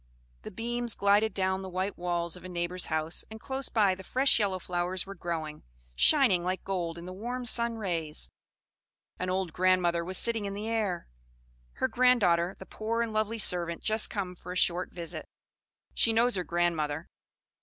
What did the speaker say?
The beams glided down the white walls of a neighbor's house, and close by the fresh yellow flowers were growing, shining like gold in the warm sun rays. An old grandmother was sitting in the air; her grand daughter, the poor and lovely servant just come for a short visit. She knows her grandmother.